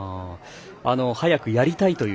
早くやりたいという。